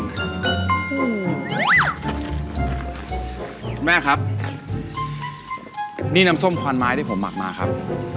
คุณแม่ครับนี่น้ำส้มควันไม้ที่ผมหมักมาครับ